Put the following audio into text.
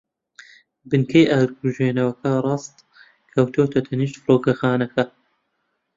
بنکەی ئاگرکوژێنەوە ڕاست کەوتووەتە تەنیشت فڕۆکەخانەکە.